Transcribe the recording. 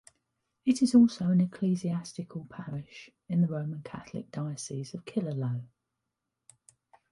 It is also an Ecclesiastical parish in the Roman Catholic Diocese of Killaloe.